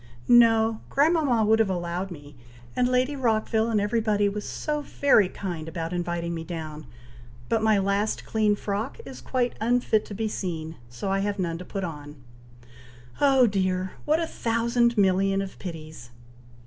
"No! grandmama would have allowed me, and Lady Rockville and every body was so very kind about inviting me down; but my last clean frock is quite unfit to be seen, so I have none to put on. Oh, dear! what a thousand million of pities!"